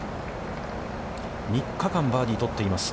３日間バーディーを取っています